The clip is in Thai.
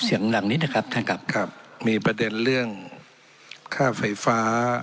หลังนิดนะครับท่านครับครับมีประเด็นเรื่องค่าไฟฟ้า